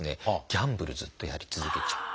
ギャンブルずっとやり続けちゃう。